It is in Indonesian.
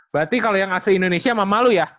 berarti kalau yang asli indonesia mama lu ya